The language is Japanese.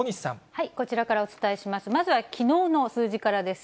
こちらからお伝えします。